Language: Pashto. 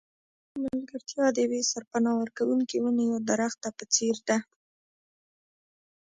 ملګرتیا د یوې سرپناه ورکوونکې ونې یا درخته په څېر ده.